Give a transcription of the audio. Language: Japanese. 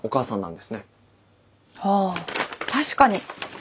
ああ確かに。